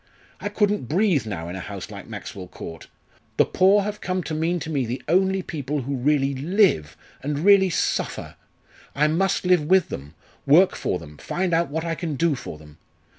I couldn't breathe now in a house like Maxwell Court. The poor have come to mean to me the only people who really live, and really suffer. I must live with them, work for them, find out what I can do for them.